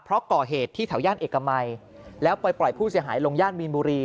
เพราะก่อเหตุที่แถวย่านเอกมัยแล้วไปปล่อยผู้เสียหายลงย่านมีนบุรี